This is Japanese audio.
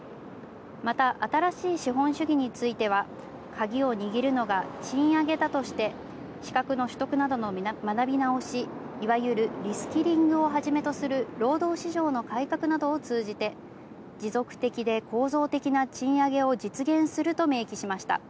また、新しい資本主義については、鍵を握るのが賃上げだとして、資格の取得などの学び直し、いわゆるリスキリングをはじめとする労働市場の改革などを通じて、持続的で構造的な賃上げを実現すると明記しました。